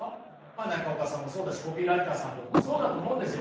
中岡さんもそうだしコピーライターさんとかもそうだと思うんですよね。